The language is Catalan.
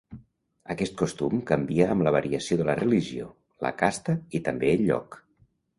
Aquest costum canvia amb la variació de la religió, la casta i també el lloc.